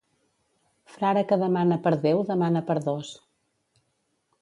Frare que demana per Déu demana per dos.